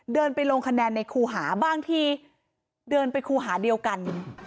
เดินไปลงคะแนนในครูหาบางทีเดินไปครูหาเดียวกัน